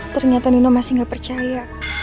ternyata nino masih nggak percaya